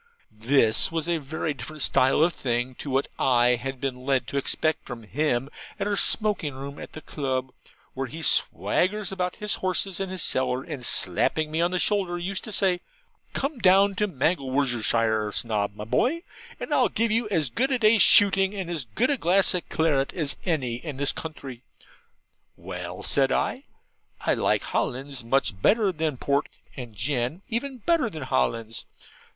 This was a very different style of thing to what I had been led to expect from him at our smoking room at the Club: where he swaggers about his horses and his cellar: and slapping me on the shoulder used to say, 'Come down to Mangelwurzelshire, Snob my boy, and I'll give you as good a day's shooting and as good a glass of claret as any in the county.' 'Well,' I said, 'I like Hollands much better than port, and gin even better than Hollands.'